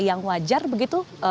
yang wajar begitu